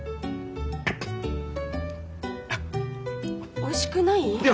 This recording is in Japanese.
おいしくない？